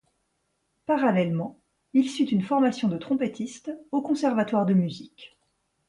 Parallèlement, il suit une formation de trompettiste au Conservatoire de musique.